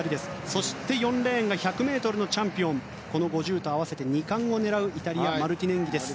そして４レーンが１００ｍのチャンピオンこの５０と合わせて２冠を狙うイタリアのマルティネンギです。